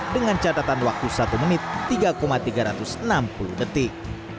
dengan catatan waktu satu menit tiga tiga ratus enam puluh detik